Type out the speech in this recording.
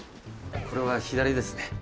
これは左ですね。